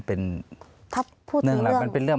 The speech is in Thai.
เพราะมันเป็นเรื่อง